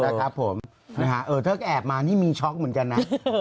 นะครับผมนะฮะเออถ้าแอบมานี่มีช็อกเหมือนกันนะ